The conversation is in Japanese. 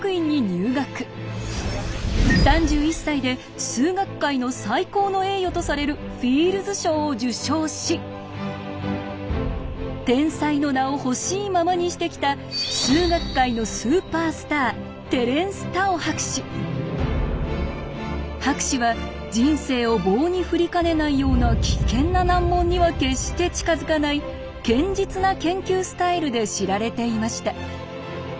３１歳で数学界の最高の栄誉とされるフィールズ賞を受賞し天才の名をほしいままにしてきた数学界のスーパースター博士は人生を棒に振りかねないような危険な難問には決して近づかない堅実な研究スタイルで知られていました。